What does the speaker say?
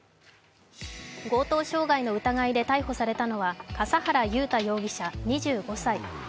強盗傷害の疑いで逮捕されたのは笠原雄太容疑者２５歳。